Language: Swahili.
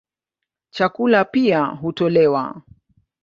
Chakula pia hutolewa.